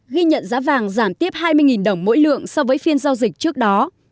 ghi nhận giá vàng giảm tiếp hai mươi đồng mỗi lượng so với phiên giao dịch trước đó